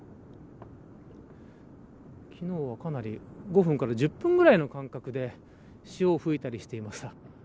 昨日は、かなり５分から１０分ぐらいの間隔で潮を吹いたりしていました。